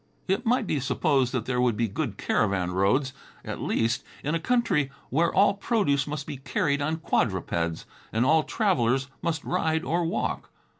It might be supposed that there would be good caravan roads, at least, in a country where all produce must be carried on quadrupeds, and all travelers must ride or walk.